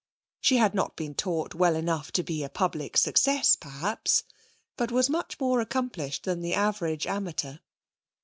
She had not been taught well enough to be a public success perhaps, but was much more accomplished than the average amateur.